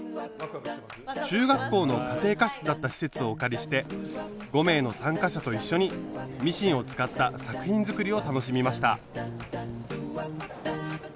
中学校の家庭科室だった施設をお借りして５名の参加者と一緒にミシンを使った作品づくりを楽しみました。